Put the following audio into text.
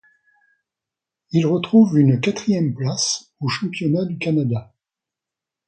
Il retrouve une quatrième place aux championnats du Canada.